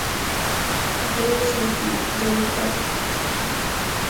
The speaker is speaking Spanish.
El tallo es anti-dontalgico.